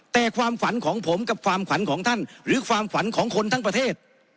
แต่ความฝันของผมกับความขวัญของท่านหรือความฝันของคนทั้งประเทศ